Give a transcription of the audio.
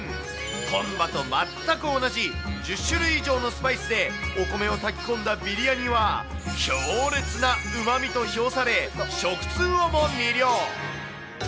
本場と全く同じ、１０種類以上のスパイスで、お米を炊き込んだビリヤニは、強烈なうまみと評され、食通をも魅了。